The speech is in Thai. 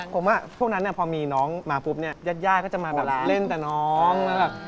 ผมอะโทษมาพอมีน้องมาปุ๊บเนี่ยญาติยายก็จะมาแบบเล่นแต่น้อง